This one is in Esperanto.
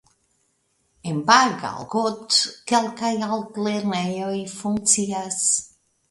En Bagalkot kelkaj altlernejoj funkcias.